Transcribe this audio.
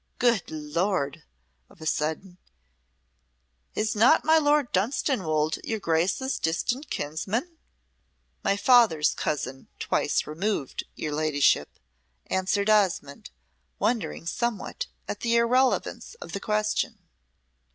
Good Lord!" of a sudden; "is not my Lord Dunstanwolde your Grace's distant kinsman?" "My father's cousin twice removed, your Ladyship," answered Osmonde, wondering somewhat at the irrelevance of the question.